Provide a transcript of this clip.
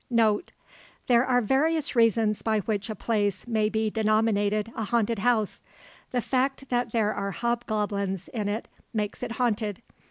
Note. There are various reasons by which a place may be denominated a "haunted house." The fact that there are hobgoblins in it makes it haunted.